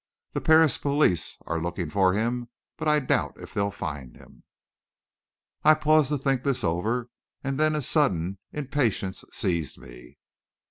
The Paris police are looking for him, but I doubt if they'll find him." I paused to think this over; and then a sudden impatience seized me.